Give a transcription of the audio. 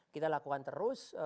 kita lakukan terus